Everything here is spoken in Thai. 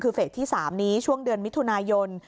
คือเฟสที่๓นี้ช่วงเดือนมิถุนายน